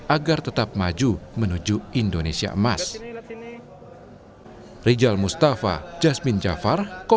agar tetap maju menuju indonesia emas